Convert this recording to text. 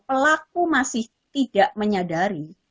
pelaku masih tidak menyadari